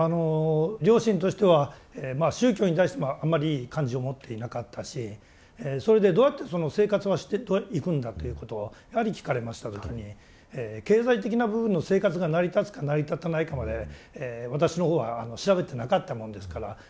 両親としてはまあ宗教に対してもあまりいい感じを持っていなかったしそれでどうやって生活はしていくんだ？ということをやはり聞かれました時に経済的な部分の生活が成り立つか成り立たないかまで私のほうは調べてなかったもんですからうまく答えられない。